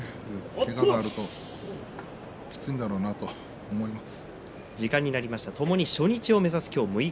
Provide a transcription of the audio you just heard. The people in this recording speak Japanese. けががあるときついんだろうなと思います。